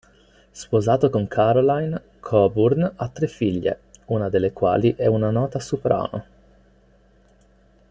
Sposato con Carolyn, Coburn ha tre figlie, una delle quali è una nota soprano.